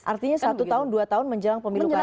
artinya satu tahun dua tahun menjelang pemilu keadaan